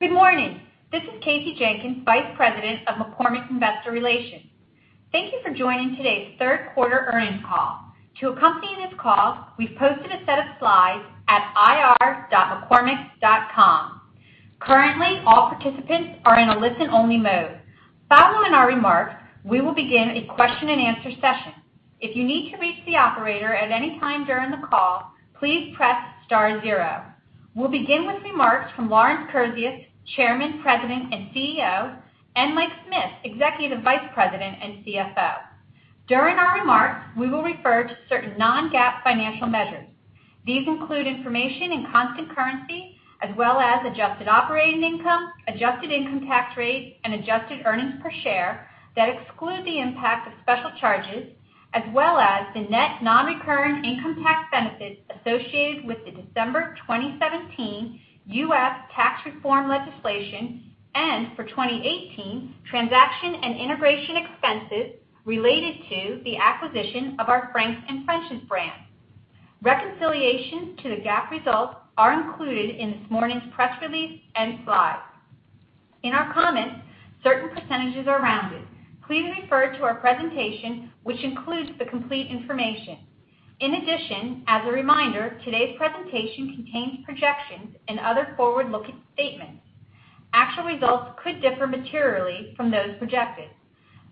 Good morning. This is Kasey Jenkins, Vice President of McCormick's Investor Relations. Thank you for joining today's third quarter earnings call. To accompany this call, we've posted a set of slides at ir.mccormick.com. Currently, all participants are in a listen-only mode. Following our remarks, we will begin a question and answer session. If you need to reach the operator at any time during the call, please press star zero. We'll begin with remarks from Lawrence Kurzius, Chairman, President, and CEO, and Mike Smith, Executive Vice President and CFO. During our remarks, we will refer to certain non-GAAP financial measures. These include information in constant currency as well as adjusted operating income, adjusted income tax rates, and adjusted earnings per share that exclude the impact of special charges, as well as the net non-recurring income tax benefits associated with the December 2017 U.S. tax reform legislation and, for 2018, transaction and integration expenses related to the acquisition of our Frank's and French's brands. Reconciliation to the GAAP results are included in this morning's press release and slides. In our comments, certain percentages are rounded. Please refer to our presentation, which includes the complete information. As a reminder, today's presentation contains projections and other forward-looking statements. Actual results could differ materially from those projected.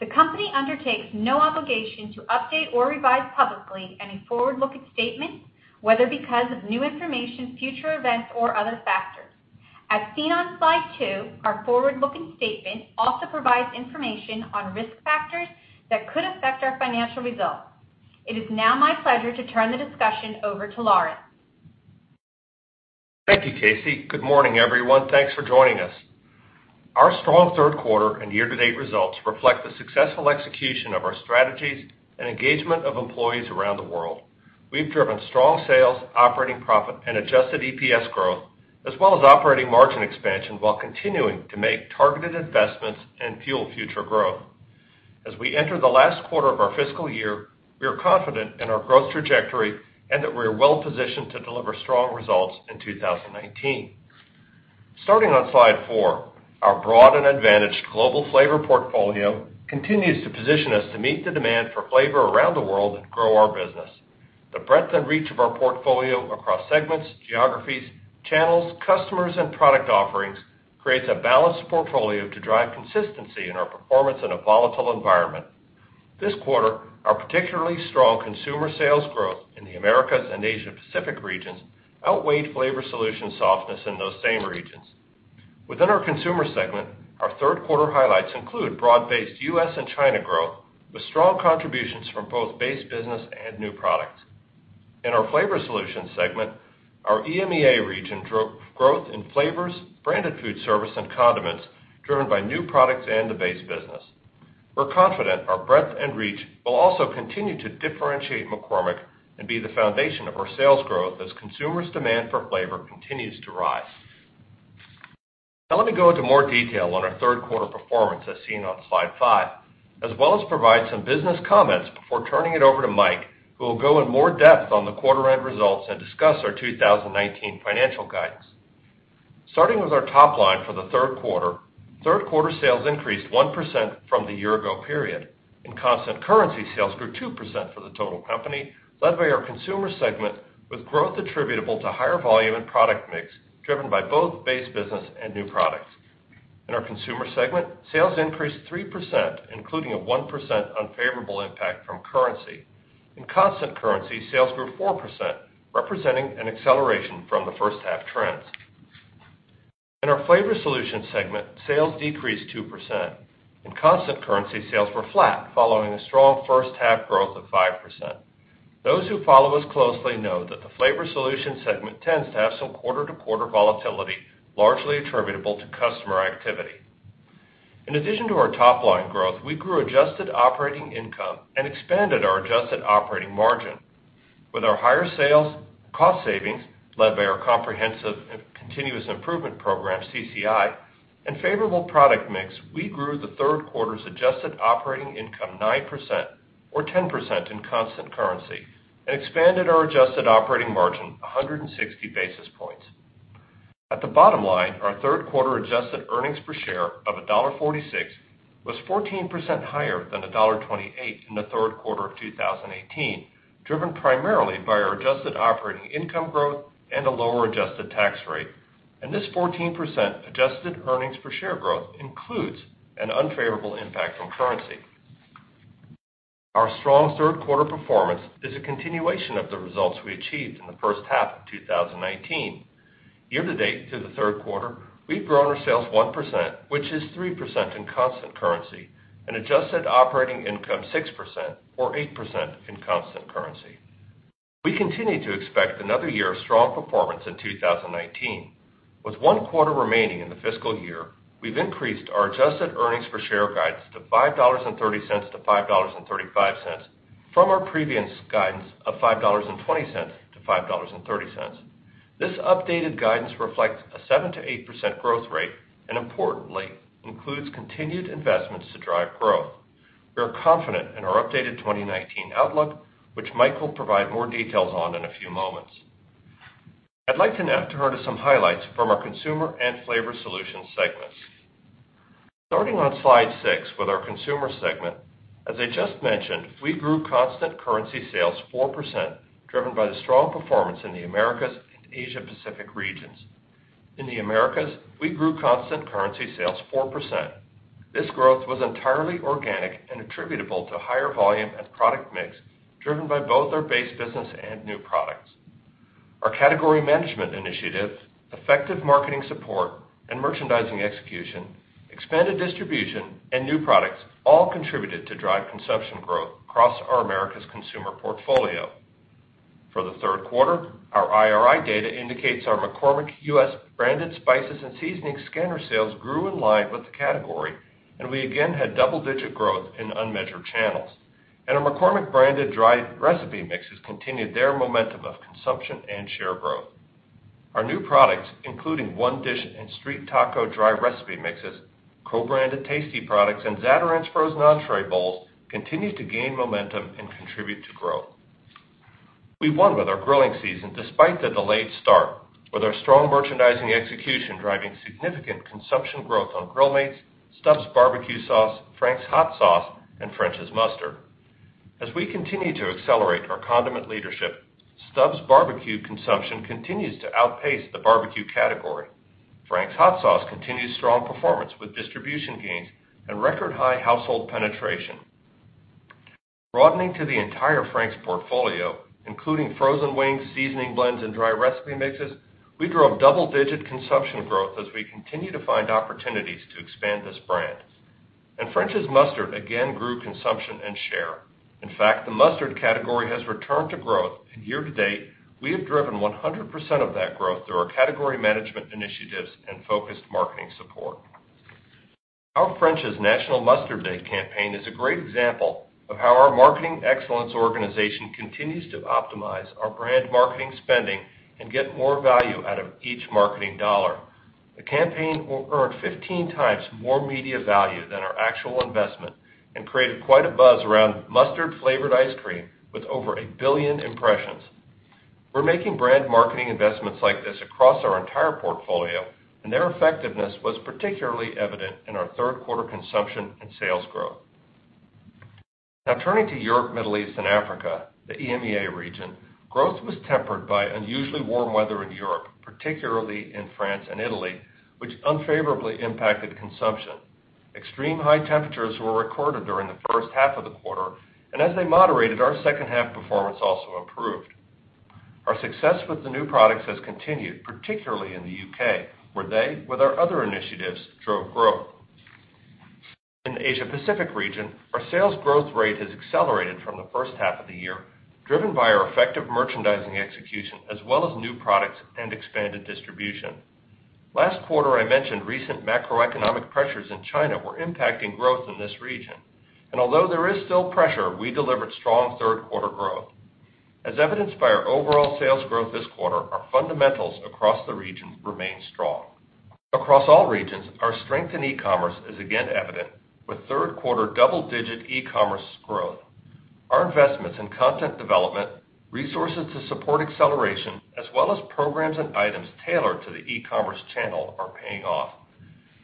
The company undertakes no obligation to update or revise publicly any forward-looking statements, whether because of new information, future events, or other factors. As seen on slide two, our forward-looking statement also provides information on risk factors that could affect our financial results. It is now my pleasure to turn the discussion over to Lawrence. Thank you, Kasey. Good morning, everyone. Thanks for joining us. Our strong third quarter and year-to-date results reflect the successful execution of our strategies and engagement of employees around the world. We've driven strong sales, operating profit, and adjusted EPS growth, as well as operating margin expansion, while continuing to make targeted investments and fuel future growth. As we enter the last quarter of our fiscal year, we are confident in our growth trajectory and that we are well positioned to deliver strong results in 2019. Starting on slide four, our broad and advantaged global flavor portfolio continues to position us to meet the demand for flavor around the world and grow our business. The breadth and reach of our portfolio across segments, geographies, channels, customers, and product offerings creates a balanced portfolio to drive consistency in our performance in a volatile environment. This quarter, our particularly strong consumer sales growth in the Americas and Asia Pacific regions outweighed Flavor Solutions softness in those same regions. Within our consumer segment, our third quarter highlights include broad-based U.S. and China growth with strong contributions from both base business and new products. In our Flavor Solutions segment, our EMEA region drove growth in flavors, branded food service, and condiments driven by new products and the base business. We're confident our breadth and reach will also continue to differentiate McCormick and be the foundation of our sales growth as consumers' demand for flavor continues to rise. Now let me go into more detail on our third quarter performance as seen on slide five, as well as provide some business comments before turning it over to Mike, who will go in more depth on the quarter-end results and discuss our 2019 financial guidance. Starting with our top line for the third quarter, third quarter sales increased 1% from the year ago period. In constant currency, sales grew 2% for the total company, led by our Consumer segment, with growth attributable to higher volume and product mix driven by both base business and new products. In our Consumer segment, sales increased 3%, including a 1% unfavorable impact from currency. In constant currency, sales grew 4%, representing an acceleration from the first half trends. In our Flavor Solutions segment, sales decreased 2%. In constant currency, sales were flat following a strong first half growth of 5%. Those who follow us closely know that the Flavor Solutions segment tends to have some quarter-to-quarter volatility, largely attributable to customer activity. In addition to our top-line growth, we grew adjusted operating income and expanded our adjusted operating margin. With our higher sales cost savings led by our comprehensive and continuous improvement program, CCI, and favorable product mix, we grew the third quarter's adjusted operating income 9%, or 10% in constant currency, and expanded our adjusted operating margin 160 basis points. At the bottom line, our third quarter adjusted earnings per share of $1.46 was 14% higher than $1.28 in the third quarter of 2018, driven primarily by our adjusted operating income growth and a lower adjusted tax rate. This 14% adjusted earnings per share growth includes an unfavorable impact from currency. Our strong third quarter performance is a continuation of the results we achieved in the first half of 2019. Year to date through the third quarter, we've grown our sales 1%, which is 3% in constant currency, and adjusted operating income 6%, or 8% in constant currency. We continue to expect another year of strong performance in 2019. With one quarter remaining in the fiscal year, we've increased our adjusted earnings per share guidance to $5.30-$5.35 from our previous guidance of $5.20-$5.30. This updated guidance reflects a 7%-8% growth rate and importantly includes continued investments to drive growth. We are confident in our updated 2019 outlook, which Mike will provide more details on in a few moments. I'd like to now turn to some highlights from our consumer and Flavor Solutions segments. Starting on slide six with our consumer segment. As I just mentioned, we grew constant currency sales 4%, driven by the strong performance in the Americas and Asia Pacific regions. In the Americas, we grew constant currency sales 4%. This growth was entirely organic and attributable to higher volume and product mix, driven by both our base business and new products. Our category management initiatives, effective marketing support and merchandising execution, expanded distribution, and new products all contributed to drive consumption growth across our Americas consumer portfolio. For the third quarter, our IRI data indicates our McCormick U.S. branded spices and seasoning scanner sales grew in line with the category, and we again had double-digit growth in unmeasured channels. Our McCormick branded dry recipe mixes continued their momentum of consumption and share growth. Our new products, including McCormick ONE and Street Taco dry recipe mixes, co-branded Tasty products, and Zatarain's frozen entrée bowls, continue to gain momentum and contribute to growth. We won with our grilling season despite the delayed start, with our strong merchandising execution driving significant consumption growth on Grill Mates, Stubb's barbecue sauce, Frank's RedHot, and French's Mustard. As we continue to accelerate our condiment leadership, Stubb's barbecue consumption continues to outpace the barbecue category. Frank's RedHot continues strong performance with distribution gains and record-high household penetration. Broadening to the entire Frank's RedHot portfolio, including frozen wings, seasoning blends, and dry recipe mixes, we drove double-digit consumption growth as we continue to find opportunities to expand this brand. French's Mustard again grew consumption and share. In fact, the mustard category has returned to growth, and year to date, we have driven 100% of that growth through our category management initiatives and focused marketing support. Our French's National Mustard Day campaign is a great example of how our marketing excellence organization continues to optimize our brand marketing spending and get more value out of each marketing dollar. The campaign will earn 15 times more media value than our actual investment and created quite a buzz around mustard-flavored ice cream with over 1 billion impressions. We're making brand marketing investments like this across our entire portfolio, and their effectiveness was particularly evident in our third quarter consumption and sales growth. Turning to Europe, Middle East, and Africa, the EMEA region, growth was tempered by unusually warm weather in Europe, particularly in France and Italy, which unfavorably impacted consumption. Extreme high temperatures were recorded during the first half of the quarter, and as they moderated, our second half performance also improved. Our success with the new products has continued, particularly in the U.K., where they, with our other initiatives, drove growth. In the Asia Pacific region, our sales growth rate has accelerated from the first half of the year, driven by our effective merchandising execution as well as new products and expanded distribution. Last quarter, I mentioned recent macroeconomic pressures in China were impacting growth in this region. Although there is still pressure, we delivered strong third quarter growth. As evidenced by our overall sales growth this quarter, our fundamentals across the region remain strong. Across all regions, our strength in e-commerce is again evident with third quarter double-digit e-commerce growth. Our investments in content development, resources to support acceleration, as well as programs and items tailored to the e-commerce channel are paying off.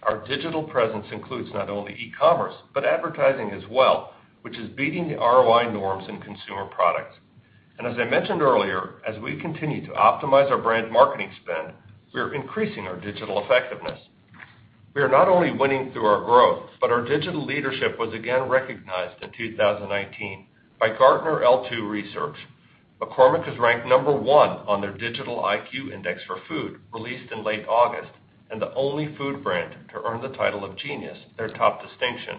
Our digital presence includes not only e-commerce, but advertising as well, which is beating the ROI norms in consumer products. As I mentioned earlier, as we continue to optimize our brand marketing spend, we are increasing our digital effectiveness. We are not only winning through our growth, our digital leadership was again recognized in 2019 by Gartner L2 Research. McCormick was ranked number one on their Digital IQ Index for Food, released in late August, the only food brand to earn the title of Genius, their top distinction.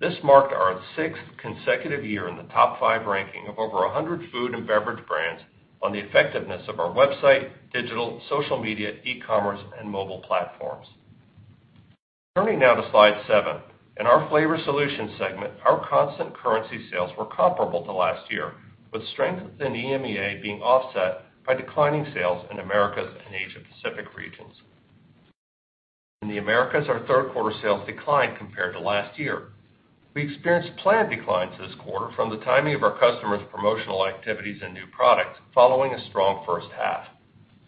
This marked our sixth consecutive year in the top five ranking of over 100 food and beverage brands on the effectiveness of our website, digital, social media, e-commerce, and mobile platforms. Turning now to slide seven. In our Flavor Solutions segment, our constant currency sales were comparable to last year, with strength within EMEA being offset by declining sales in Americas and Asia Pacific regions. In the Americas, our third quarter sales declined compared to last year. We experienced planned declines this quarter from the timing of our customers' promotional activities and new products following a strong first half.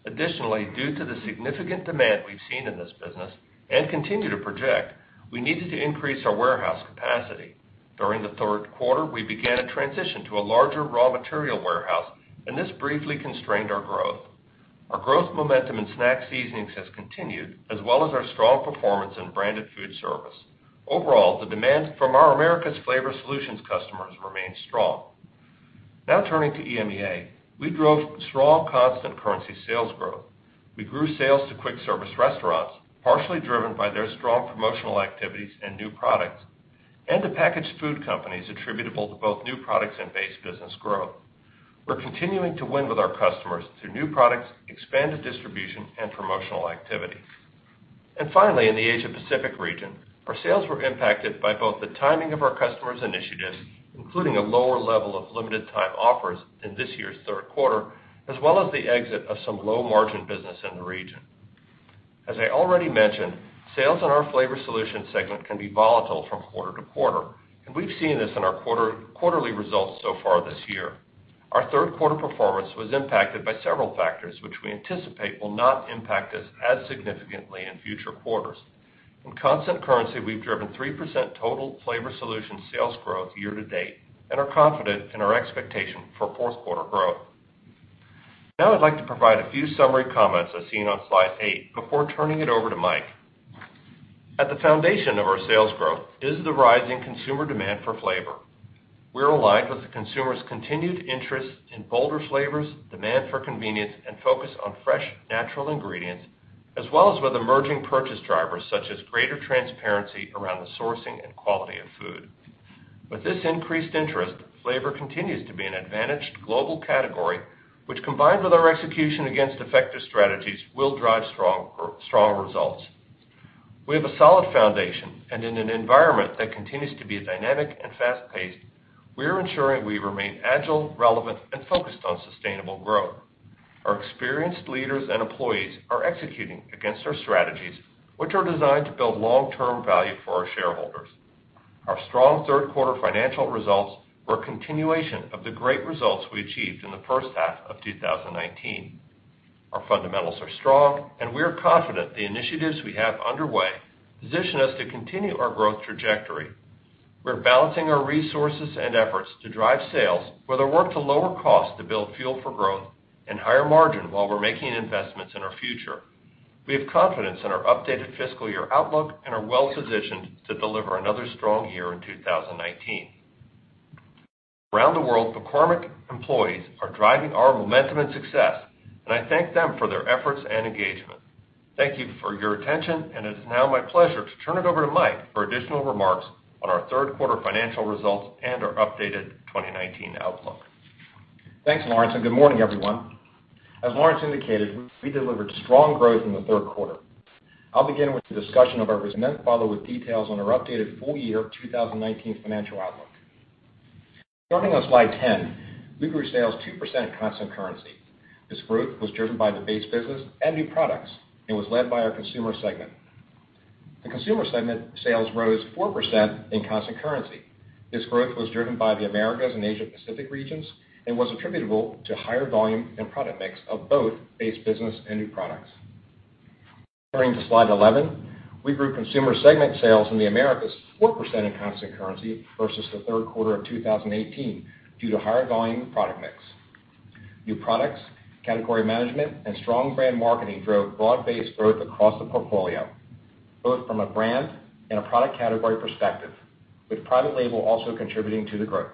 Additionally, due to the significant demand we've seen in this business and continue to project, we needed to increase our warehouse capacity. During the third quarter, we began a transition to a larger raw material warehouse, and this briefly constrained our growth. Our growth momentum in snack seasonings has continued, as well as our strong performance in branded food service. Overall, the demand from our Americas Flavor Solutions customers remains strong. Turning to EMEA. We drove strong constant currency sales growth. We grew sales to quick service restaurants, partially driven by their strong promotional activities and new products, and to packaged food companies attributable to both new products and base business growth. We're continuing to win with our customers through new products, expanded distribution, and promotional activity. Finally, in the Asia Pacific region, our sales were impacted by both the timing of our customers' initiatives, including a lower level of Limited Time Offers in this year's third quarter, as well as the exit of some low margin business in the region. I already mentioned, sales in our Flavor Solutions segment can be volatile from quarter to quarter, and we've seen this in our quarterly results so far this year. Our third quarter performance was impacted by several factors, which we anticipate will not impact us as significantly in future quarters. In constant currency, we've driven 3% total Flavor Solution sales growth year to date and are confident in our expectation for fourth quarter growth. Now I'd like to provide a few summary comments as seen on slide eight before turning it over to Mike. At the foundation of our sales growth is the rising consumer demand for flavor. We're aligned with the consumer's continued interest in bolder flavors, demand for convenience, and focus on fresh, natural ingredients, as well as with emerging purchase drivers such as greater transparency around the sourcing and quality of food. With this increased interest, flavor continues to be an advantaged global category, which, combined with our execution against effective strategies, will drive strong results. We have a solid foundation, and in an environment that continues to be dynamic and fast-paced, we are ensuring we remain agile, relevant, and focused on sustainable growth. Our experienced leaders and employees are executing against our strategies, which are designed to build long-term value for our shareholders. Our strong third quarter financial results were a continuation of the great results we achieved in the first half of 2019. Our fundamentals are strong, and we are confident the initiatives we have underway position us to continue our growth trajectory. We're balancing our resources and efforts to drive sales with the work to lower cost, to build fuel for growth and higher margin while we're making investments in our future. We have confidence in our updated fiscal year outlook and are well-positioned to deliver another strong year in 2019. Around the world, McCormick employees are driving our momentum and success, and I thank them for their efforts and engagement. Thank you for your attention, and it's now my pleasure to turn it over to Mike for additional remarks on our third quarter financial results and our updated 2019 outlook. Thanks, Lawrence, good morning, everyone. As Lawrence indicated, we delivered strong growth in the third quarter. I'll begin with a discussion of our results, then follow with details on our updated full year 2019 financial outlook. Starting on slide 10, we grew sales 2% constant currency. This growth was driven by the base business and new products and was led by our Consumer segment. The Consumer segment sales rose 4% in constant currency. This growth was driven by the Americas and Asia Pacific regions and was attributable to higher volume and product mix of both base business and new products. Turning to slide 11, we grew Consumer segment sales in the Americas 4% in constant currency versus the third quarter of 2018 due to higher volume and product mix. New products, category management, and strong brand marketing drove broad-based growth across the portfolio, both from a brand and a product category perspective, with private label also contributing to the growth.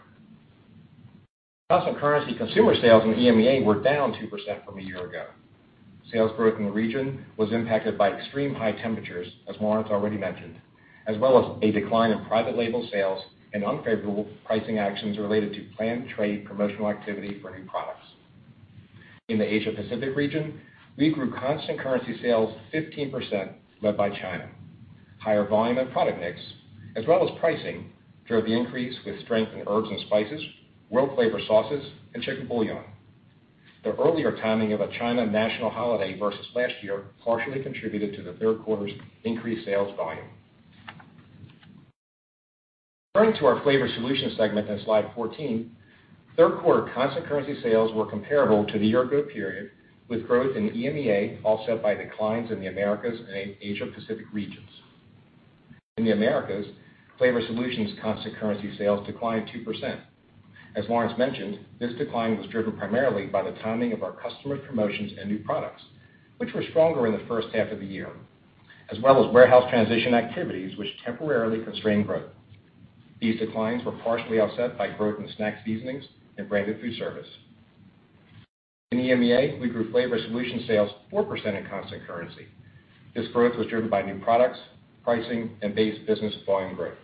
Constant currency Consumer sales in EMEA were down 2% from a year ago. Sales growth in the region was impacted by extreme high temperatures, as Lawrence already mentioned, as well as a decline in private label sales and unfavorable pricing actions related to planned trade promotional activity for new products. In the Asia Pacific region, we grew constant currency sales 15%, led by China. Higher volume and product mix, as well as pricing, drove the increase with strength in herbs and spices, world flavor sauces, and chicken bouillon. The earlier timing of a China national holiday versus last year partially contributed to the third quarter's increased sales volume. Turning to our Flavor Solutions segment on slide 14, third quarter constant currency sales were comparable to the year ago period, with growth in EMEA offset by declines in the Americas and Asia Pacific regions. In the Americas, Flavor Solutions constant currency sales declined 2%. As Lawrence mentioned, this decline was driven primarily by the timing of our customer promotions and new products, which were stronger in the first half of the year, as well as warehouse transition activities, which temporarily constrained growth. These declines were partially offset by growth in snack seasonings and branded food service. In EMEA, we grew Flavor Solutions sales 4% in constant currency. This growth was driven by new products, pricing, and base business volume growth.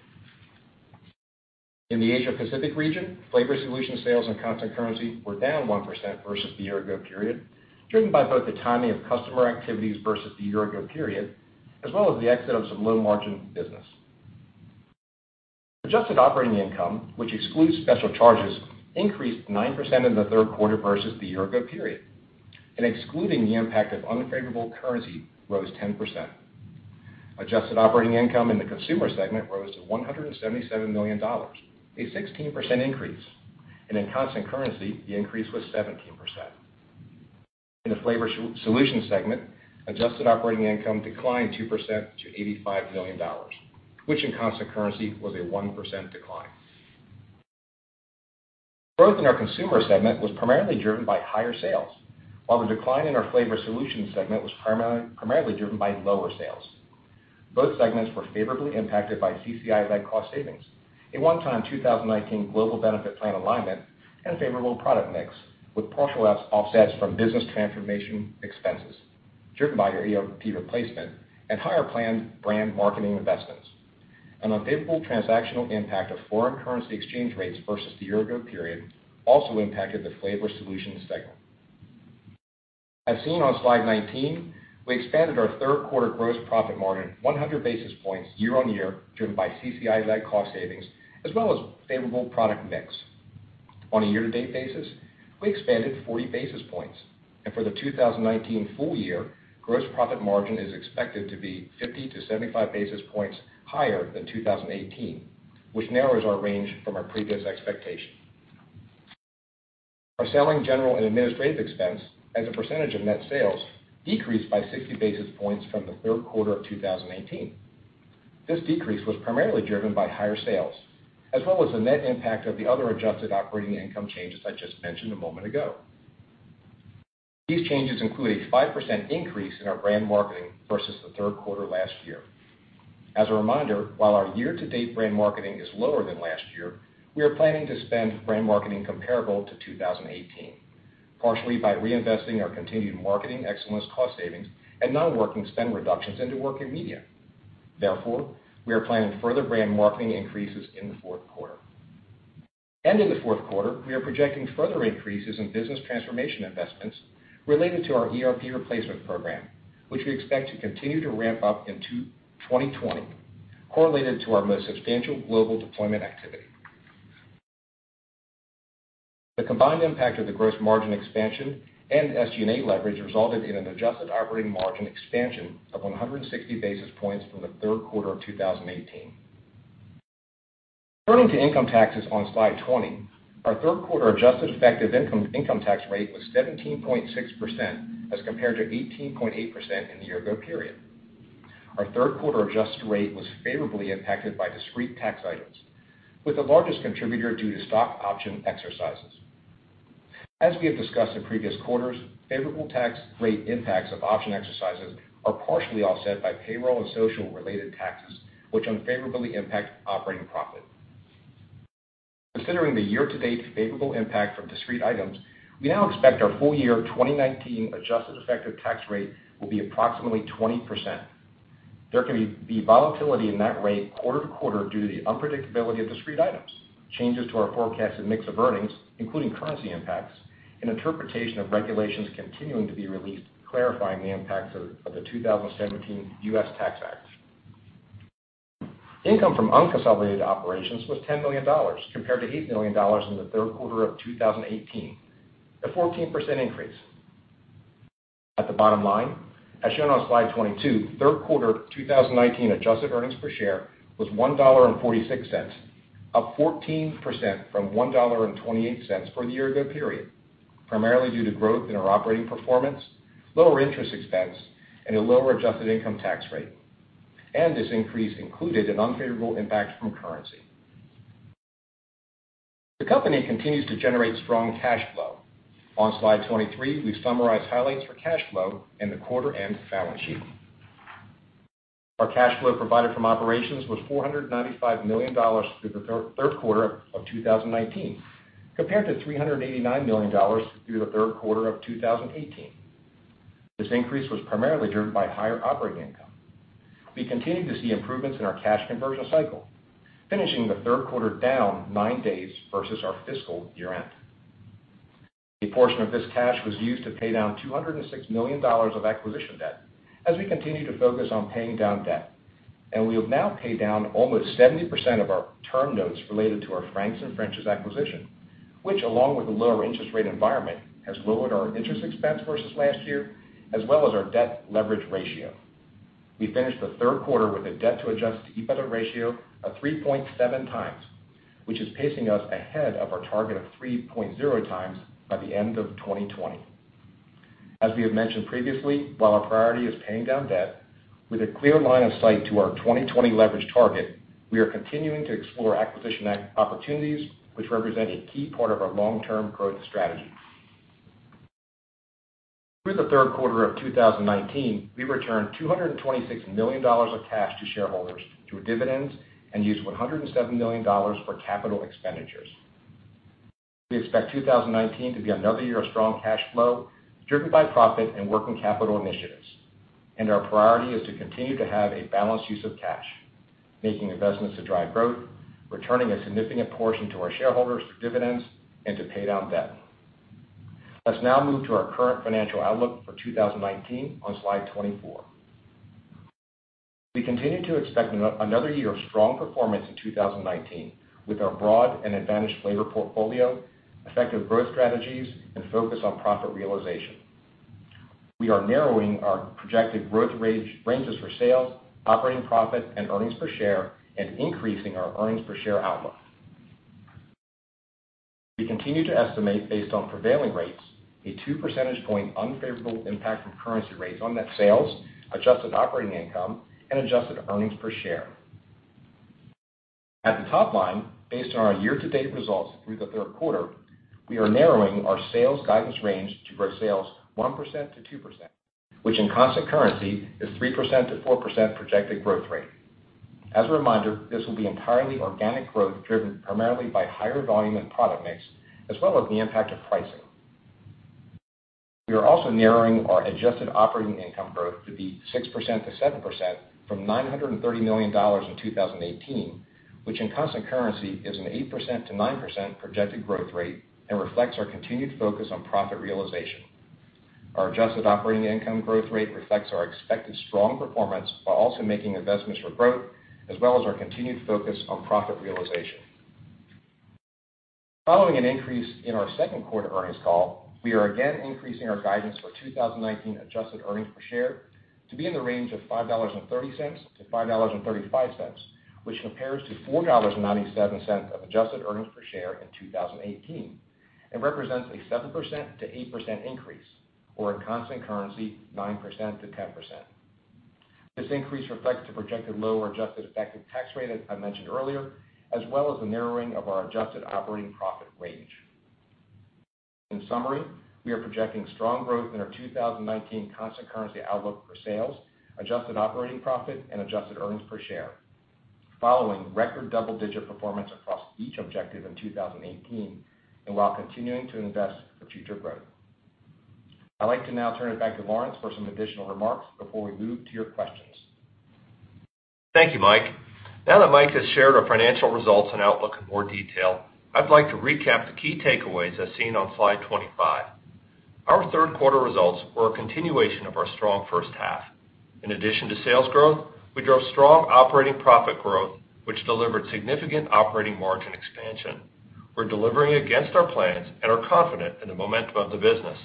In the Asia Pacific region, Flavor Solutions sales and constant currency were down 1% versus the year-ago period, driven by both the timing of customer activities versus the year-ago period, as well as the exit of some low-margin business. Adjusted operating income, which excludes special charges, increased 9% in the third quarter versus the year-ago period and excluding the impact of unfavorable currency rose 10%. Adjusted operating income in the Consumer segment rose to $177 million, a 16% increase, and in constant currency, the increase was 17%. In the Flavor Solutions segment, adjusted operating income declined 2% to $85 million, which in constant currency was a 1% decline. Growth in our Consumer segment was primarily driven by higher sales, while the decline in our Flavor Solutions segment was primarily driven by lower sales. Both segments were favorably impacted by CCI-led cost savings, a one-time 2019 global benefit plan alignment, and favorable product mix, with partial offsets from business transformation expenses driven by our ERP replacement and higher planned brand marketing investments. An unfavorable transactional impact of foreign currency exchange rates versus the year-ago period also impacted the Flavor Solutions segment. As seen on slide 19, we expanded our third quarter gross profit margin 100 basis points year-on-year, driven by CCI-led cost savings, as well as favorable product mix. On a year-to-date basis, we expanded 40 basis points. For the 2019 full year, gross profit margin is expected to be 50-75 basis points higher than 2018, which narrows our range from our previous expectation. Our selling general and administrative expense as a percentage of net sales decreased by 60 basis points from the third quarter of 2018. This decrease was primarily driven by higher sales, as well as the net impact of the other adjusted operating income changes I just mentioned a moment ago. These changes include a 5% increase in our brand marketing versus the third quarter last year. As a reminder, while our year-to-date brand marketing is lower than last year, we are planning to spend brand marketing comparable to 2018, partially by reinvesting our continued marketing excellence cost savings and non-working spend reductions into working media. We are planning further brand marketing increases in the fourth quarter. In the fourth quarter, we are projecting further increases in business transformation investments related to our ERP replacement program, which we expect to continue to ramp up into 2020, correlated to our most substantial global deployment activity. The combined impact of the gross margin expansion and SG&A leverage resulted in an adjusted operating margin expansion of 160 basis points from the third quarter of 2018. Turning to income taxes on Slide 20, our third quarter adjusted effective income tax rate was 17.6% as compared to 18.8% in the year-ago period. Our third quarter adjusted rate was favorably impacted by discrete tax items, with the largest contributor due to stock option exercises. As we have discussed in previous quarters, favorable tax rate impacts of option exercises are partially offset by payroll and social related taxes, which unfavorably impact operating profit. Considering the year-to-date favorable impact from discrete items, we now expect our full year 2019 adjusted effective tax rate will be approximately 20%. There can be volatility in that rate quarter to quarter due to the unpredictability of discrete items, changes to our forecasted mix of earnings, including currency impacts, and interpretation of regulations continuing to be released clarifying the impacts of the 2017 U.S. tax act. Income from unconsolidated operations was $10 million compared to $8 million in the third quarter of 2018, a 14% increase. At the bottom line, as shown on Slide 22, third quarter 2019 adjusted earnings per share was $1.46, up 14% from $1.28 for the year-ago period, primarily due to growth in our operating performance, lower interest expense, and a lower adjusted income tax rate. This increase included an unfavorable impact from currency. The company continues to generate strong cash flow. On Slide 23, we summarize highlights for cash flow and the quarter end balance sheet. Our cash flow provided from operations was $495 million through the third quarter of 2019, compared to $389 million through the third quarter of 2018. This increase was primarily driven by higher operating income. We continue to see improvements in our cash conversion cycle, finishing the third quarter down nine days versus our fiscal year end. A portion of this cash was used to pay down $206 million of acquisition debt as we continue to focus on paying down debt. We have now paid down almost 70% of our term notes related to our Frank's and French's acquisition, which along with the lower interest rate environment, has lowered our interest expense versus last year, as well as our debt leverage ratio. We finished the third quarter with a debt to adjusted EBITDA ratio of 3.7 times, which is pacing us ahead of our target of 3.0 times by the end of 2020. As we have mentioned previously, while our priority is paying down debt, with a clear line of sight to our 2020 leverage target, we are continuing to explore acquisition opportunities which represent a key part of our long-term growth strategy. Through the third quarter of 2019, we returned $226 million of cash to shareholders through dividends and used $107 million for capital expenditures. Our priority is to continue to have a balanced use of cash, making investments to drive growth, returning a significant portion to our shareholders through dividends and to pay down debt. Let's now move to our current financial outlook for 2019 on Slide 24. We continue to expect another year of strong performance in 2019 with our broad and advantaged flavor portfolio, effective growth strategies, and focus on profit realization. We are narrowing our projected growth ranges for sales, operating profit, and earnings per share and increasing our earnings per share outlook. We continue to estimate, based on prevailing rates, a two percentage point unfavorable impact from currency rates on net sales, adjusted operating income, and adjusted earnings per share. At the top line, based on our year-to-date results through the third quarter, we are narrowing our sales guidance range to grow sales 1%-2%, which in constant currency is 3%-4% projected growth rate. As a reminder, this will be entirely organic growth driven primarily by higher volume and product mix, as well as the impact of pricing. We are also narrowing our adjusted operating income growth to be 6%-7% from $930 million in 2018, which in constant currency is an 8%-9% projected growth rate and reflects our continued focus on profit realization. Our adjusted operating income growth rate reflects our expected strong performance while also making investments for growth, as well as our continued focus on profit realization. Following an increase in our second quarter earnings call, we are again increasing our guidance for 2019 adjusted earnings per share to be in the range of $5.30-$5.35, which compares to $4.97 of adjusted earnings per share in 2018 and represents a 7%-8% increase, or in constant currency, 9%-10%. This increase reflects the projected lower adjusted effective tax rate, as I mentioned earlier, as well as the narrowing of our adjusted operating profit range. In summary, we are projecting strong growth in our 2019 constant currency outlook for sales, adjusted operating profit, and adjusted earnings per share following record double-digit performance across each objective in 2018 and while continuing to invest for future growth. I'd like to now turn it back to Lawrence for some additional remarks before we move to your questions. Thank you, Mike. Now that Mike has shared our financial results and outlook in more detail, I'd like to recap the key takeaways as seen on slide 25. Our third quarter results were a continuation of our strong first half. In addition to sales growth, we drove strong operating profit growth, which delivered significant operating margin expansion. We're delivering against our plans and are confident in the momentum of the business.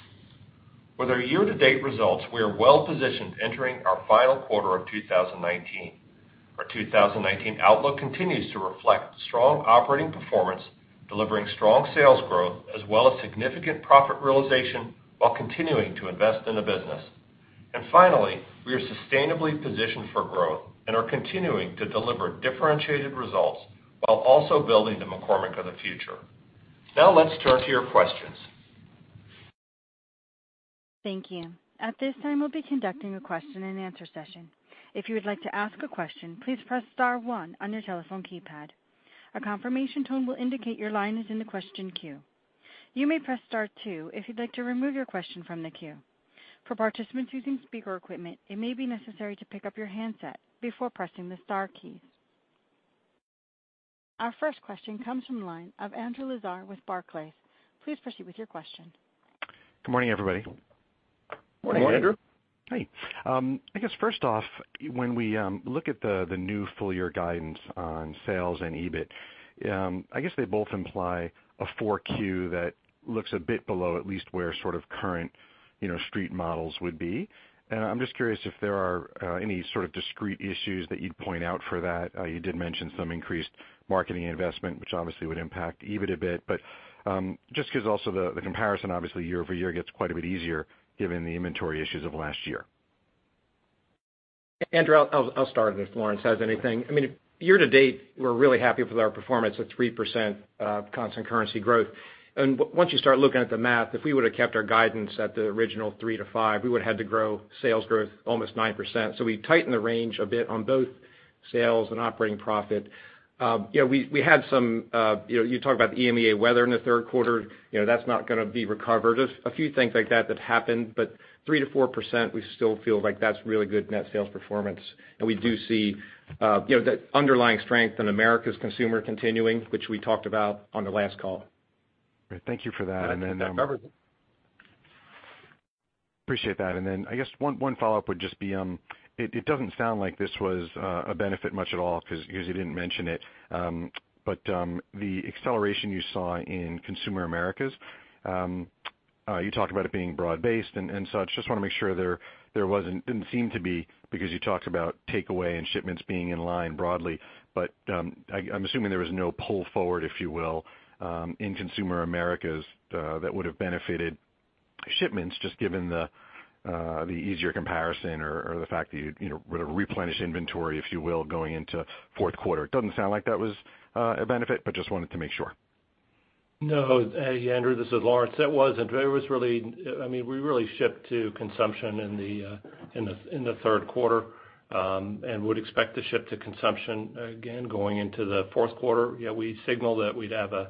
With our year-to-date results, we are well-positioned entering our final quarter of 2019. Our 2019 outlook continues to reflect strong operating performance, delivering strong sales growth as well as significant profit realization while continuing to invest in the business. Finally, we are sustainably positioned for growth and are continuing to deliver differentiated results while also building the McCormick of the future. Now let's turn to your questions. Thank you. At this time, we'll be conducting a question and answer session. If you would like to ask a question, please press *1 on your telephone keypad. A confirmation tone will indicate your line is in the question queue. You may press *2 if you'd like to remove your question from the queue. For participants using speaker equipment, it may be necessary to pick up your handset before pressing the star keys. Our first question comes from the line of Andrew Lazar with Barclays. Please proceed with your question. Good morning, everybody. Morning, Andrew. Morning. Hi. I guess first off, when we look at the new full-year guidance on sales and EBIT, I guess they both imply a 4Q that looks a bit below at least where sort of current street models would be. I'm just curious if there are any sort of discrete issues that you'd point out for that. You did mention some increased marketing investment, which obviously would impact EBIT a bit. Just because also the comparison obviously year-over-year gets quite a bit easier given the inventory issues of last year. Andrew, I'll start if Lawrence has anything. Year to date, we're really happy with our performance at 3% constant currency growth. Once you start looking at the math, if we would've kept our guidance at the original 3%-5%, we would had to grow sales growth almost 9%. We tightened the range a bit on both sales and operating profit. You talked about the EMEA weather in the third quarter. That's not going to be recovered. A few things like that that happened, but 3%-4%, we still feel like that's really good net sales performance. We do see the underlying strength in Americas Consumer continuing, which we talked about on the last call. Great. Thank you for that. Yeah. That covers it. Appreciate that. I guess one follow-up would just be, it doesn't sound like this was a benefit much at all because you didn't mention it. The acceleration you saw in Consumer Americas, you talked about it being broad-based and such. Just want to make sure there didn't seem to be, because you talked about takeaway and shipments being in line broadly, but I'm assuming there was no pull forward, if you will, in Consumer Americas that would've benefited shipments just given the easier comparison or the fact that you would've replenished inventory, if you will, going into fourth quarter. It doesn't sound like that was a benefit, but just wanted to make sure. No. Hey Andrew, this is Lawrence. We really shipped to consumption in the third quarter and would expect to ship to consumption again going into the fourth quarter. We signaled on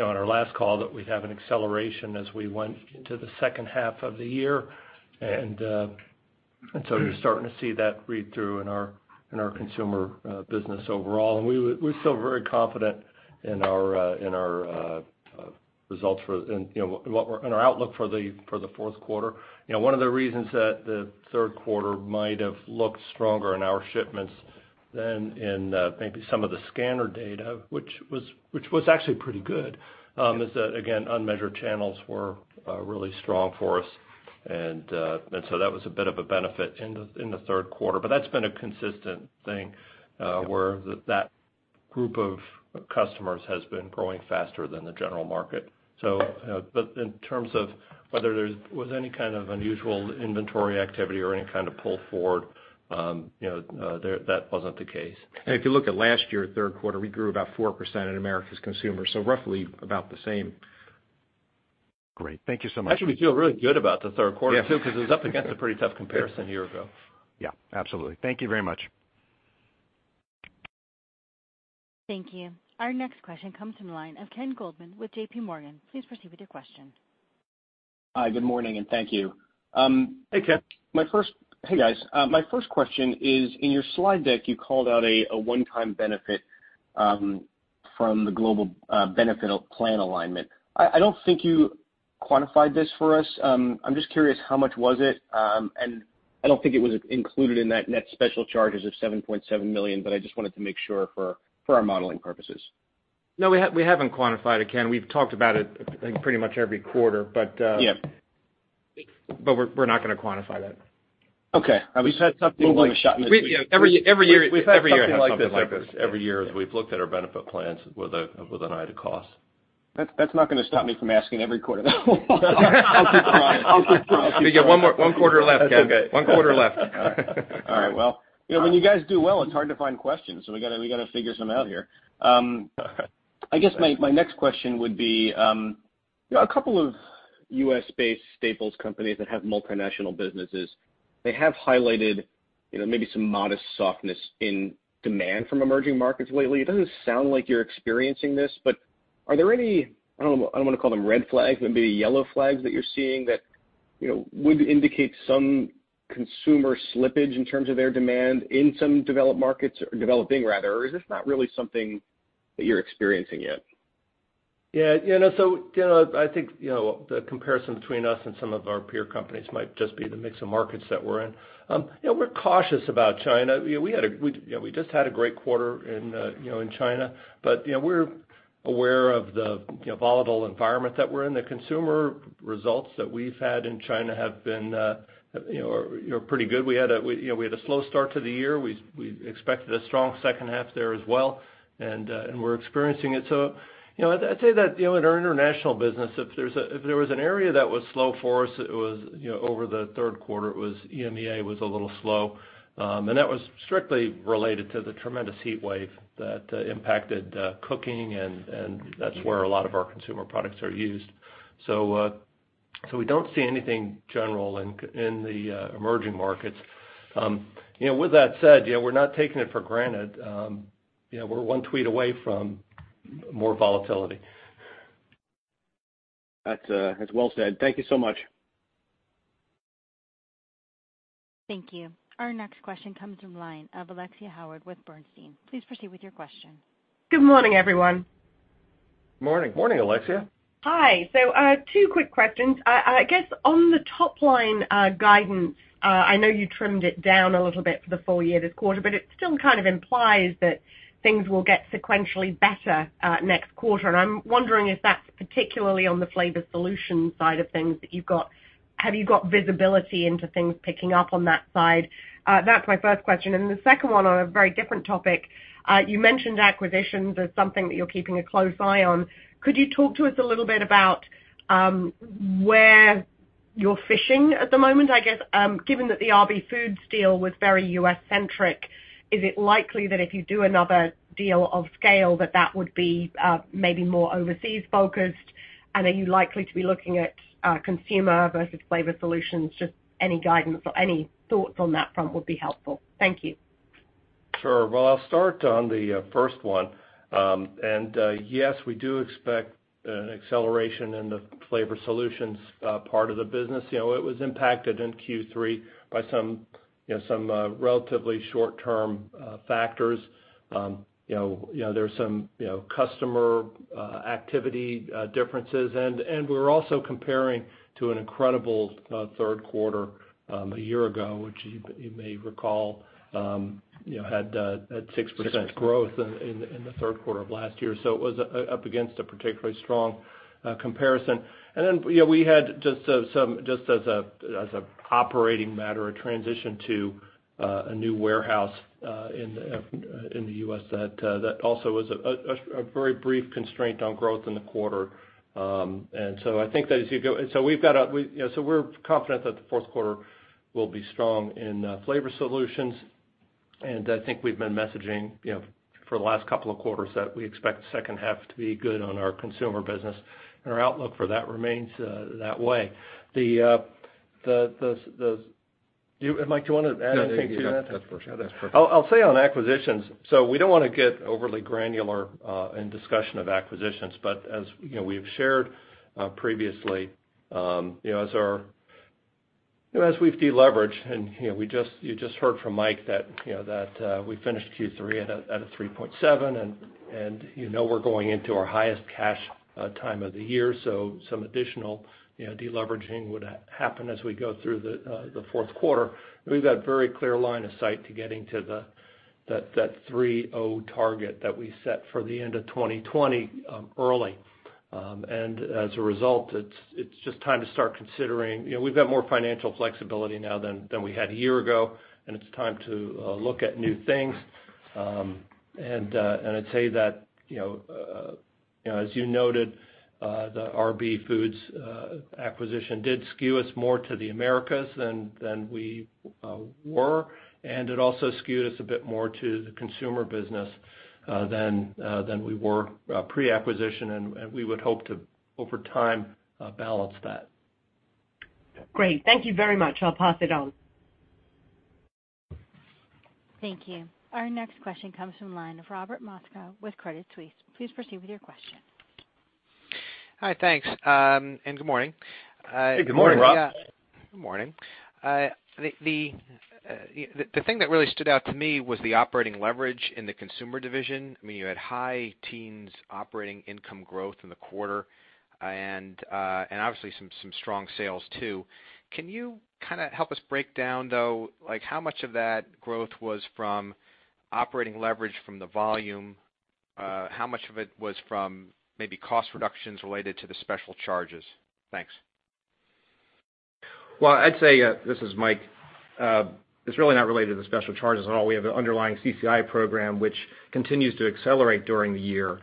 our last call that we'd have an acceleration as we went into the second half of the year. You're starting to see that read through in our consumer business overall. We feel very confident in our results and our outlook for the fourth quarter. One of the reasons that the third quarter might have looked stronger in our shipments than in maybe some of the scanner data, which was actually pretty good, is that, again, unmeasured channels were really strong for us. That was a bit of a benefit in the third quarter. That's been a consistent thing where that group of customers has been growing faster than the general market. In terms of whether there was any kind of unusual inventory activity or any kind of pull forward, that wasn't the case. If you look at last year, third quarter, we grew about 4% in Americas Consumer, so roughly about the same. Great. Thank you so much. Actually, we feel really good about the third quarter. Yeah. It was up against a pretty tough comparison a year ago. Yeah, absolutely. Thank you very much. Thank you. Our next question comes from the line of Ken Goldman with JPMorgan. Please proceed with your question. Hi, good morning, and thank you. Hey, Ken. Hey, guys. My first question is: In your slide deck, you called out a one-time benefit from the global benefit plan alignment. I don't think you quantified this for us. I'm just curious, how much was it? I don't think it was included in that net special charges of $7.7 million, but I just wanted to make sure for our modeling purposes. No, we haven't quantified it, Ken. We've talked about it, I think, pretty much every quarter. Yep We're not going to quantify that. Okay. We've had something like- Moving the shot next week. Every year- We've had something like this. Every year, we've looked at our benefit plans with an eye to cost. That's not going to stop me from asking every quarter, though. I'll keep trying. You get one quarter left, Ken. That's okay. One quarter left. All right. Well, when you guys do well, it's hard to find questions, so we got to figure some out here. I guess my next question would be, a couple of U.S.-based staples companies that have multinational businesses, they have highlighted maybe some modest softness in demand from emerging markets lately. It doesn't sound like you're experiencing this, but are there any, I don't want to call them red flags, maybe yellow flags that you're seeing that would indicate some consumer slippage in terms of their demand in some developed markets, or developing rather, or is this not really something that you're experiencing yet? Yeah. I think the comparison between us and some of our peer companies might just be the mix of markets that we're in. We're cautious about China. We just had a great quarter in China, but we're aware of the volatile environment that we're in. The consumer results that we've had in China have been pretty good. We had a slow start to the year. We expected a strong second half there as well, and we're experiencing it. I'd say that in our international business, if there was an area that was slow for us over the third quarter, it was EMEA was a little slow. That was strictly related to the tremendous heat wave that impacted cooking and that's where a lot of our consumer products are used. We don't see anything general in the emerging markets. With that said, we're not taking it for granted. We're one tweet away from more volatility. That's well said. Thank you so much. Thank you. Our next question comes from line of Alexia Howard with Bernstein. Please proceed with your question. Good morning, everyone. Morning. Morning, Alexia. Hi. Two quick questions. I guess on the top line guidance, I know you trimmed it down a little bit for the full year this quarter, but it still kind of implies that things will get sequentially better, next quarter, and I'm wondering if that's particularly on the Flavor Solutions side of things that you've got. Have you got visibility into things picking up on that side? That's my first question. The second one on a very different topic, you mentioned acquisitions as something that you're keeping a close eye on. Could you talk to us a little bit about, where you're fishing at the moment, I guess, given that the RB Foods deal was very U.S.-centric, is it likely that if you do another deal of scale that would be maybe more overseas focused, and are you likely to be looking at consumer versus Flavor Solutions? Just any guidance or any thoughts on that front would be helpful. Thank you. Sure. Well, I'll start on the first one. Yes, we do expect an acceleration in the Flavor Solutions part of the business. It was impacted in Q3 by some relatively short-term factors. There's some customer activity differences, and we're also comparing to an incredible third quarter, a year ago, which you may recall, had 6% growth in the third quarter of last year. It was up against a particularly strong comparison. Then we had just as an operating matter, a transition to a new warehouse in the U.S. that also was a very brief constraint on growth in the quarter. I think that we're confident that the fourth quarter will be strong in Flavor Solutions. I think we've been messaging for the last couple of quarters that we expect the second half to be good on our consumer business, and our outlook for that remains that way. Mike, do you want to add anything to that? No, that's perfect. I'll say on acquisitions, so we don't want to get overly granular, in discussion of acquisitions, but as we've shared previously, as we've deleveraged, and you just heard from Mike that we finished Q3 at a 3.7, and you know we're going into our highest cash time of the year, so some additional deleveraging would happen as we go through the fourth quarter. We've got very clear line of sight to getting to that 3.0 target that we set for the end of 2020 early. As a result, it's just time to start considering, we've got more financial flexibility now than we had a year ago, and it's time to look at new things. I'd say that, as you noted, the RB Foods acquisition did skew us more to the Americas than we were, and it also skewed us a bit more to the consumer business than we were pre-acquisition, and we would hope to, over time, balance that. Great. Thank you very much. I'll pass it on. Thank you. Our next question comes from line of Robert Moskow with Credit Suisse. Please proceed with your question. Hi, thanks. Good morning. Hey, good morning, Rob. Good morning. The thing that really stood out to me was the operating leverage in the Consumer division. You had high teens operating income growth in the quarter, and obviously some strong sales too. Can you help us break down, though, how much of that growth was from operating leverage from the volume? How much of it was from maybe cost reductions related to the special charges? Thanks. Well, I'd say, this is Mike, it's really not related to the special charges at all. We have an underlying CCI program which continues to accelerate during the year.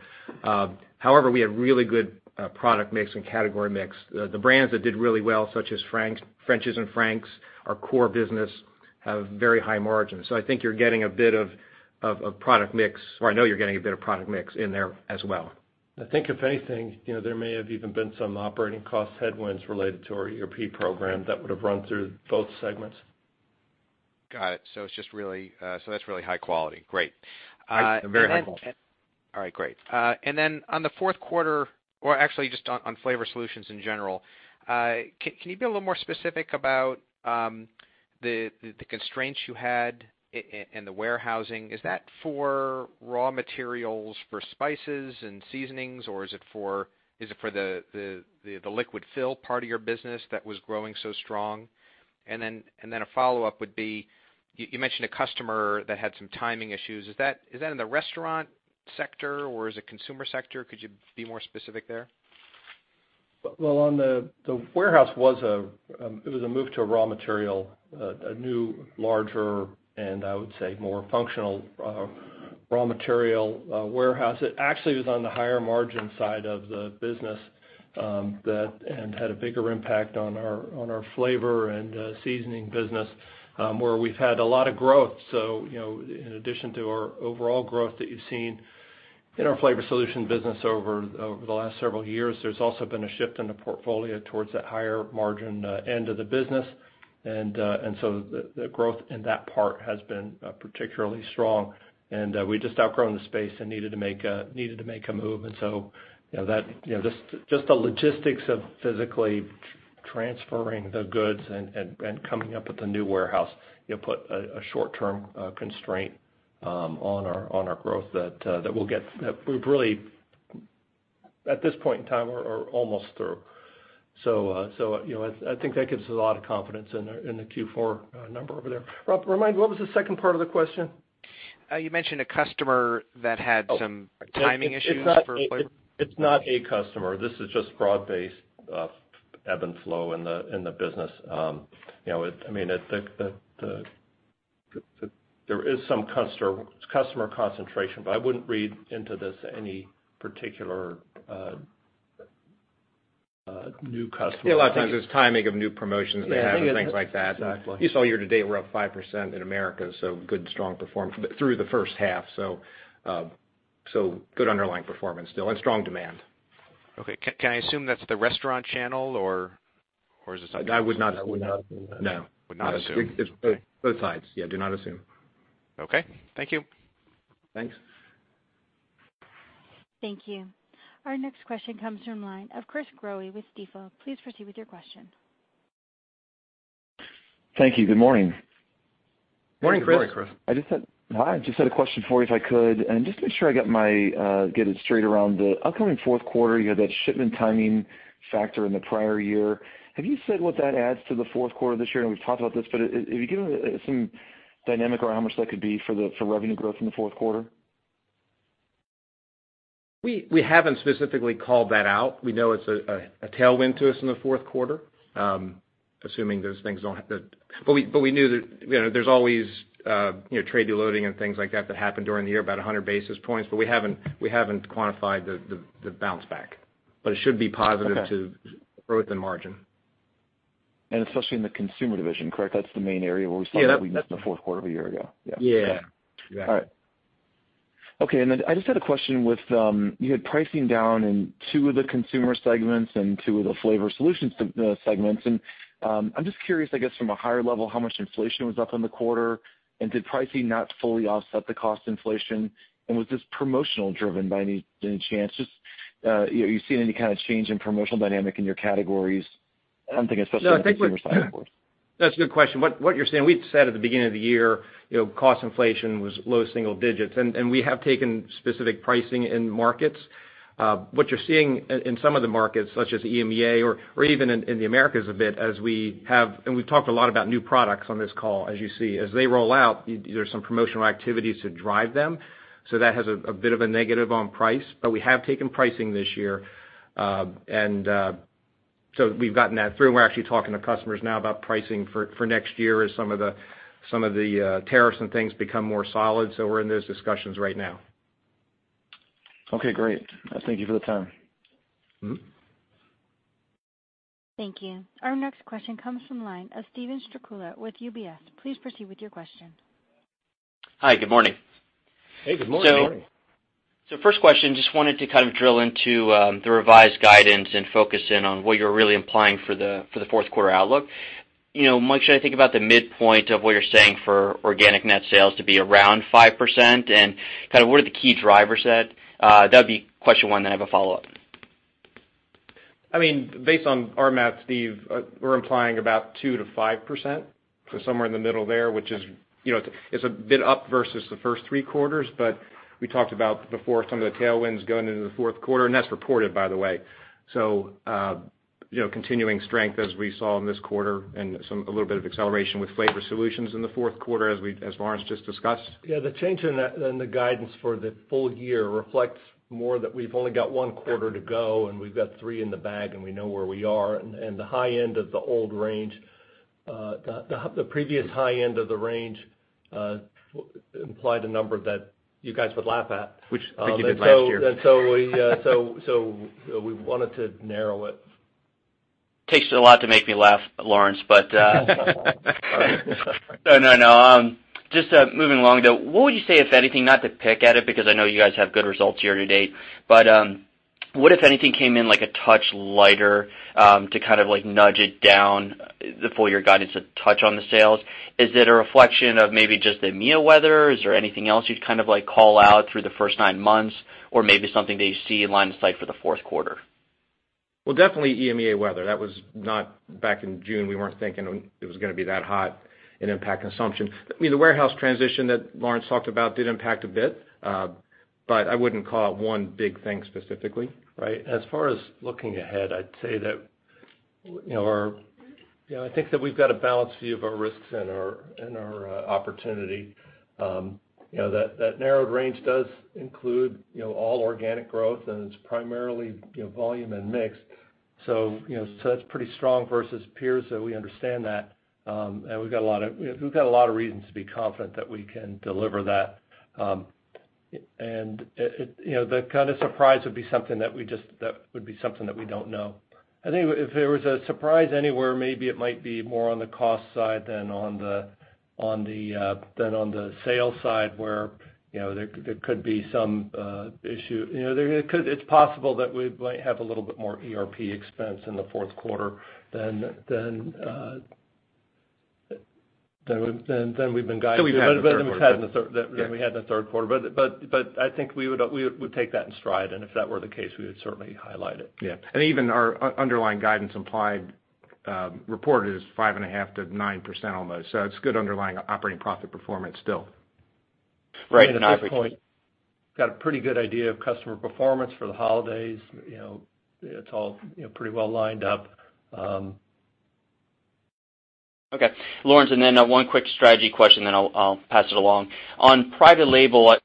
We have really good product mix and category mix. The brands that did really well, such as French's and Frank's, our core business, have very high margins. I think you're getting a bit of product mix, or I know you're getting a bit of product mix in there as well. I think if anything, there may have even been some operating cost headwinds related to our ERP program that would've run through both segments. Got it. That's really high quality. Great. I'm very hopeful. All right, great. Then on the fourth quarter, or actually just on Flavor Solutions in general, can you be a little more specific about the constraints you had in the warehousing? Is that for raw materials for spices and seasonings, or is it for the liquid fill part of your business that was growing so strong? Then a follow-up would be, you mentioned a customer that had some timing issues. Is that in the restaurant sector or is it consumer sector? Could you be more specific there? Well, the warehouse was a move to a raw material, a new, larger, and I would say more functional, raw material warehouse. It actually was on the higher margin side of the business and had a bigger impact on our flavor and seasoning business, where we've had a lot of growth. In addition to our overall growth that you've seen in our Flavor Solutions business over the last several years, there's also been a shift in the portfolio towards that higher margin end of the business. The growth in that part has been particularly strong. We just outgrown the space and needed to make a move. Just the logistics of physically transferring the goods and coming up with a new warehouse put a short-term constraint on our growth that we've really, at this point in time, are almost through. I think that gives us a lot of confidence in the Q4 number over there. Rob, remind me, what was the second part of the question? You mentioned a customer that had some timing issues for flavor. It's not a customer. This is just broad-based ebb and flow in the business. There is some customer concentration, but I wouldn't read into this any particular new customer. Yeah, a lot of times it's timing of new promotions they have and things like that. Exactly. You saw year to date, we're up 5% in Americas, so good, strong performance through the first half. Good underlying performance still and strong demand. Okay. Can I assume that's the restaurant channel, or is this? I would not. I would not assume that. No. Would not assume. Both sides. Yeah, do not assume. Okay. Thank you. Thanks. Thank you. Our next question comes from line of Chris Growe with Stifel. Please proceed with your question. Thank you. Good morning. Morning, Chris. Good morning, Chris. Hi, I just had a question for you if I could, and just to make sure I get it straight around the upcoming fourth quarter, you had that shipment timing factor in the prior year. Have you said what that adds to the fourth quarter this year? I know we've talked about this, but have you given some dynamic around how much that could be for revenue growth in the fourth quarter? We haven't specifically called that out. We know it's a tailwind to us in the fourth quarter. We knew that there's always trade loading and things like that that happen during the year, about 100 basis points, but we haven't quantified the bounce back. It should be positive to growth and margin. Especially in the Consumer division, correct? That's the main area where we saw that we missed in the fourth quarter of a year ago. Yeah. All right. Okay, and then I just had a question with, you had pricing down in two of the Consumer segments and two of the Flavor Solutions segments. I'm just curious, I guess, from a higher level, how much inflation was up in the quarter, and did pricing not fully offset the cost inflation? Was this promotional driven by any chance? Just, are you seeing any kind of change in promotional dynamic in your categories? I'm thinking especially on the Consumer side. That's a good question. What you're saying, we'd said at the beginning of the year, cost inflation was low single digits, and we have taken specific pricing in markets. What you're seeing in some of the markets, such as EMEA or even in the Americas a bit. We've talked a lot about new products on this call, as you see. As they roll out, there's some promotional activities to drive them. That has a bit of a negative on price, but we have taken pricing this year. We've gotten that through, and we're actually talking to customers now about pricing for next year as some of the tariffs and things become more solid. Okay, great. Thank you for the time. Thank you. Our next question comes from line of Steven Strycula with UBS. Please proceed with your question. Hi, good morning. Hey, good morning. Good morning. First question, just wanted to kind of drill into the revised guidance and focus in on what you're really implying for the fourth quarter outlook. Mike, should I think about the midpoint of what you're saying for organic net sales to be around 5%? What are the key drivers then? That'd be question one, then I have a follow-up. Based on our math, Steve, we're implying about 2%-5%, so somewhere in the middle there, which is a bit up versus the first three quarters, but we talked about before some of the tailwinds going into the fourth quarter, and that's reported, by the way. Continuing strength as we saw in this quarter and a little bit of acceleration with Flavor Solutions in the fourth quarter, as Lawrence just discussed. Yeah, the change in the guidance for the full year reflects more that we've only got one quarter to go, and we've got three in the bag, and we know where we are. The previous high end of the range implied a number that you guys would laugh at. Which you did last year. We wanted to narrow it. Takes a lot to make me laugh, Lawrence. No, no. Just moving along, though. What would you say, if anything, not to pick at it, because I know you guys have good results year to date, but what, if anything, came in like a touch lighter to kind of nudge it down the full year guidance a touch on the sales? Is it a reflection of maybe just the EMEA weather? Is there anything else you'd call out through the first nine months, or maybe something that you see in line of sight for the fourth quarter? Well, definitely EMEA weather. Back in June, we weren't thinking it was going to be that hot and impact consumption. The warehouse transition that Lawrence talked about did impact a bit, but I wouldn't call it one big thing specifically. Right. As far as looking ahead, I'd say that I think that we've got a balanced view of our risks and our opportunity. That narrowed range does include all organic growth, it's primarily volume and mix. That's pretty strong versus peers, so we understand that. We've got a lot of reasons to be confident that we can deliver that. The kind of surprise would be something that we don't know. I think if there was a surprise anywhere, maybe it might be more on the cost side than on the sales side, where there could be some issue. It's possible that we might have a little bit more ERP expense in the fourth quarter than we've been guiding. Than we had in the third quarter. Than we had in the third quarter. I think we would take that in stride, and if that were the case, we would certainly highlight it. Yeah. Even our underlying guidance implied reported is 5.5%-9% almost. It's good underlying operating profit performance still. Right. At this point, we got a pretty good idea of customer performance for the holidays. It's all pretty well lined up. Okay. Lawrence, then one quick strategy question, then I'll pass it along. On private label,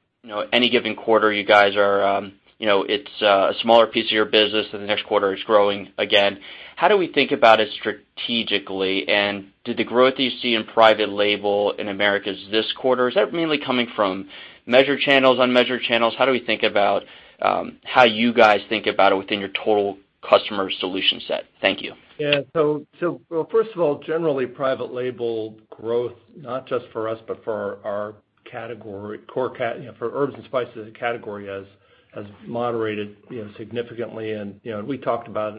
any given quarter, it's a smaller piece of your business, the next quarter it's growing again. How do we think about it strategically? Did the growth that you see in private label in Americas this quarter, is that mainly coming from measured channels, unmeasured channels? How do we think about how you guys think about it within your total customer solution set? Thank you. Yeah. First of all, generally, private label growth, not just for us, but for herbs and spices category has moderated significantly. We talked about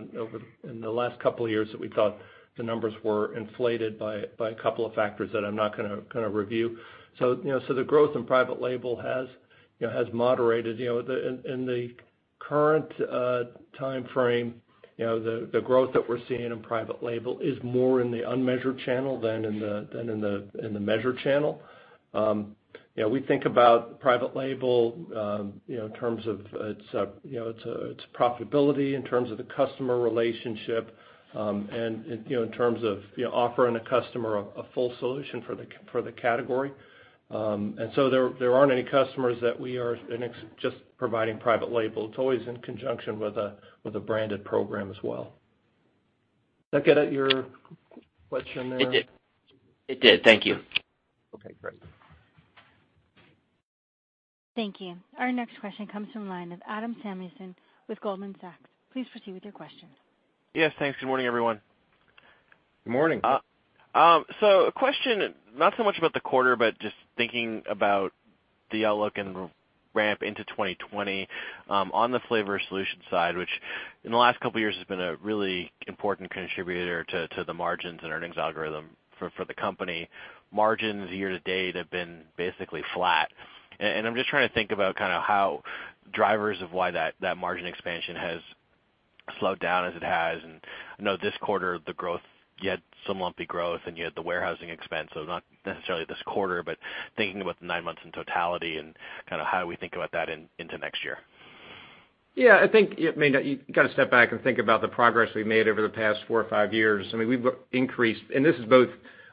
in the last couple of years that we thought the numbers were inflated by a couple of factors that I'm not going to review. The growth in private label has moderated. In the current timeframe, the growth that we're seeing in private label is more in the unmeasured channel than in the measured channel. We think about private label in terms of its profitability, in terms of the customer relationship, and in terms of offering a customer a full solution for the category. There aren't any customers that we are just providing private label. It's always in conjunction with a branded program as well. Does that get at your question there? It did. Thank you. Okay, great. Thank you. Our next question comes from the line of Adam Samuelson with Goldman Sachs. Please proceed with your question. Yes, thanks. Good morning, everyone. Good morning. A question, not so much about the quarter, but just thinking about the outlook and ramp into 2020. On the Flavor Solutions side, which in the last couple of years has been a really important contributor to the margins and earnings algorithm for the company. Margins year to date have been basically flat. I'm just trying to think about drivers of why that margin expansion has slowed down as it has. I know this quarter, you had some lumpy growth and you had the warehousing expense, so not necessarily this quarter, but thinking about the nine months in totality and how we think about that into next year. Yeah, I think you got to step back and think about the progress we've made over the past four or five years. We've increased, and this is both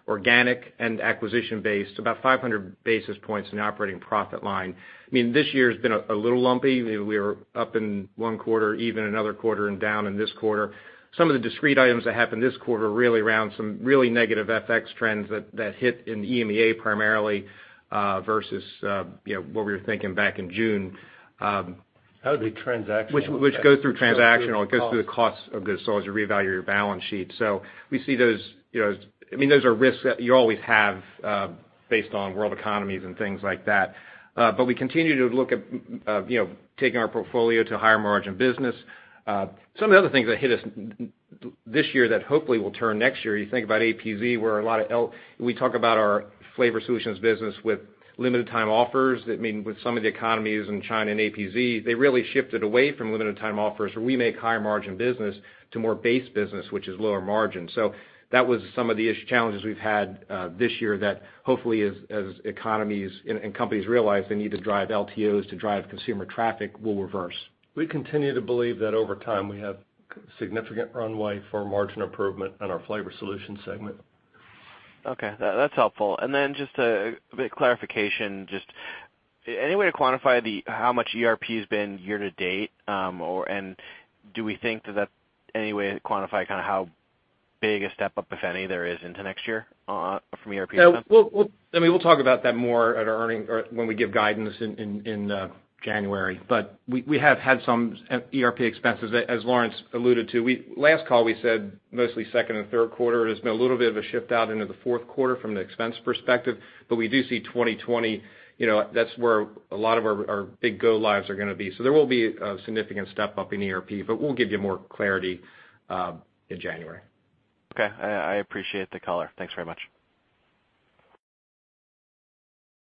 organic and acquisition-based, about 500 basis points in the operating profit line. This year has been a little lumpy. We were up in one quarter, even another quarter and down in this quarter. Some of the discrete items that happened this quarter really around some really negative FX trends that hit in the EMEA primarily versus what we were thinking back in June. That would be transactional. Go through transactional, it goes through the costs of goods sold as you reevaluate your balance sheet. We see those are risks that you always have based on world economies and things like that. We continue to look at taking our portfolio to higher margin business. Some of the other things that hit us this year that hopefully will turn next year, you think about APZ, where a lot of We talk about our Flavor Solutions business with Limited Time Offers. That mean with some of the economies in China and APZ, they really shifted away from Limited Time Offers where we make higher margin business to more base business, which is lower margin. That was some of the challenges we've had this year that hopefully as economies and companies realize they need to drive LTOs to drive consumer traffic will reverse. We continue to believe that over time we have significant runway for margin improvement in our Flavor Solutions segment. Okay. That's helpful. Then just a bit of clarification, just any way to quantify how much ERP has been year-to-date? Do we think, does that any way quantify how big a step up, if any, there is into next year from ERP? We'll talk about that more at our earnings or when we give guidance in January, but we have had some ERP expenses, as Lawrence alluded to. Last call we said mostly second and third quarter. It has been a little bit of a shift out into the fourth quarter from the expense perspective, but we do see 2020, that's where a lot of our big go lives are going to be. There will be a significant step up in ERP, but we'll give you more clarity in January. Okay. I appreciate the color. Thanks very much.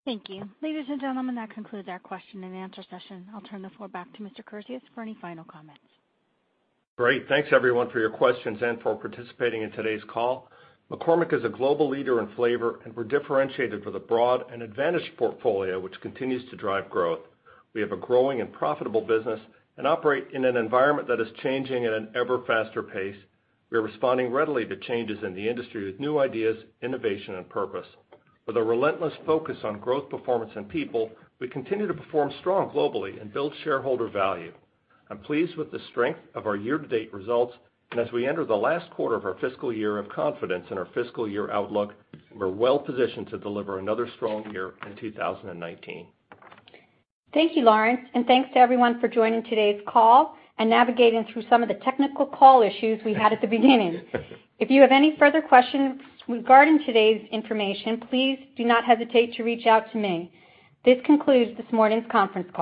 Thank you. Ladies and gentlemen, that concludes our question and answer session. I'll turn the floor back to Mr. Kurzius for any final comments. Great. Thanks everyone for your questions and for participating in today's call. McCormick is a global leader in flavor, and we're differentiated with a broad and advantaged portfolio, which continues to drive growth. We have a growing and profitable business and operate in an environment that is changing at an ever faster pace. We are responding readily to changes in the industry with new ideas, innovation and purpose. With a relentless focus on growth, performance and people, we continue to perform strong globally and build shareholder value. I'm pleased with the strength of our year-to-date results, and as we enter the last quarter of our fiscal year, have confidence in our fiscal year outlook and we're well positioned to deliver another strong year in 2019. Thank you, Lawrence, and thanks to everyone for joining today's call and navigating through some of the technical call issues we had at the beginning. If you have any further questions regarding today's information, please do not hesitate to reach out to me. This concludes this morning's conference call.